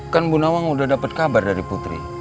kan bu nawang udah dapet kabar dari putri